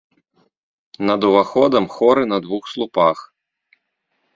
Над уваходам хоры на двух слупах.